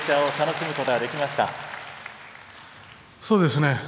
そうですね。